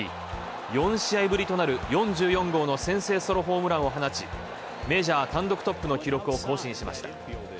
４試合ぶりとなる４４号の先制ソロホームランを放ち、メジャー単独トップの記録を更新しました。